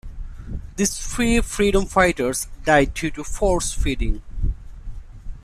These three freedom fighters died due to force-feeding.